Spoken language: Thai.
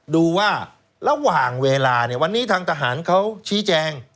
ดูว่าระหว่างเวลาเนี่ยวันนี้ทางทหารเขาชี้แจง